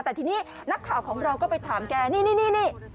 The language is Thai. แต่ทีนี้นักข่าวของเราก็ไปถามแกนี่